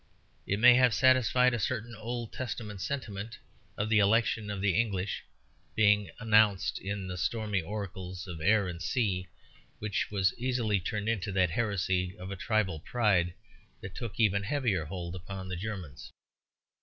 It may have satisfied a certain Old Testament sentiment of the election of the English being announced in the stormy oracles of air and sea, which was easily turned into that heresy of a tribal pride that took even heavier hold upon the Germans.